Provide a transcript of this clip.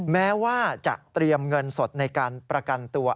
แม้ว่าจะเตรียมเงินสดในการประกันตัว